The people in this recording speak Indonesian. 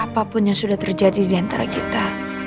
apapun yang sudah terjadi diantara kita